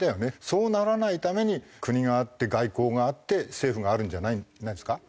そうならないために国があって外交があって政府があるんじゃないですか？